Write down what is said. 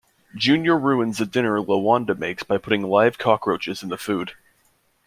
Junior ruins a dinner LaWanda makes by putting live cockroaches in the food.